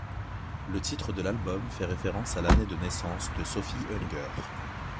Le titre de l'album fait référence à l'année de naissance de Sophie Hunger.